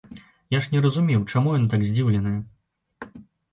Я ж не разумеў, чаму яны так здзіўленыя.